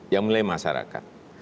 yang menilai masyarakat